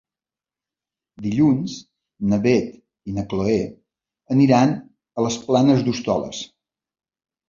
Dilluns na Beth i na Chloé aniran a les Planes d'Hostoles.